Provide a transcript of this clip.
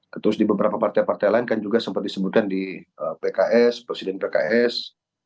terus di beberapa partai partai lain kan juga sempat disebutkan di pks presiden pks